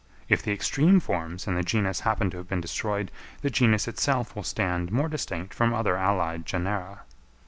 If the extreme forms in the genus happen to have been thus destroyed, the genus itself will stand more distinct from other allied genera.